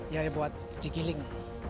ya buat digiling